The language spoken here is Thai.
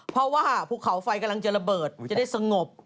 เพราะว่าภูเขาไฟกำลังจะระเบิดจะได้สงบ